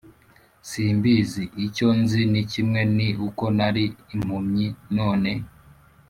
Simbizi icyo nzi ni kimwe ni uko nari impumyi none